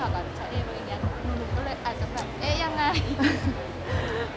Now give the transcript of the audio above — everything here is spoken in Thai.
เราก็เลยอาจจะแบบเอ๊ยังไง